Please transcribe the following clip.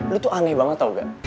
lo tuh aneh banget tau gak